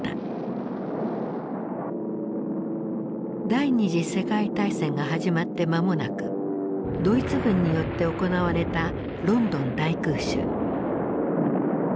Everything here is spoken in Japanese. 第二次世界大戦が始まって間もなくドイツ軍によって行われたロンドン大空襲。